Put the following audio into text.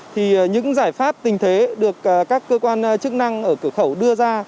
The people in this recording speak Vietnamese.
thì những giải pháp tình thế được các cơ quan chức năng ở cửa khẩu đưa ra